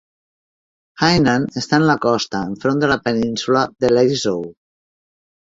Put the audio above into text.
Hainan està en la costa, enfront de la península de Leizhou.